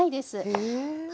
へえ。